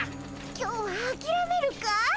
今日はあきらめるかい？